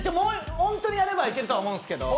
本当にやればいけると思うんですけど。